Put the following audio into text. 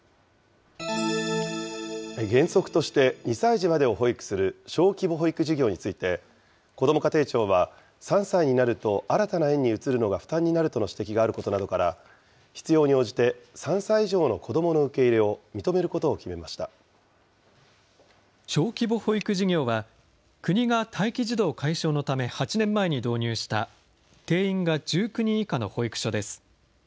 原則として２歳児までを保育する小規模保育事業について、こども家庭庁は３歳になると新たな園に移るのが負担になるとの指摘があることなどから、必要に応じて３歳以上の子どもの受け入れ小規模保育事業は、国が待機児童解消のため８年前に導入した、定員が１９人以下の保育所です。